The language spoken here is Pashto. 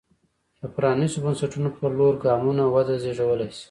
د پرانېستو بنسټونو په لور ګامونه وده زېږولی شي.